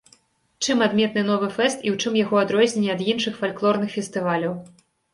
Чым адметны новы фэст і ў чым яго адрозненне ад іншых фальклорных фестываляў?